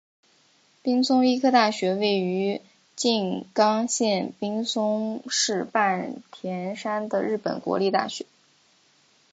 滨松医科大学位于静冈县滨松市半田山的日本国立大学。